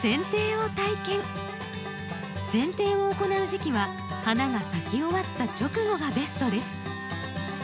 せん定を行う時期は花が咲き終わった直後がベストです。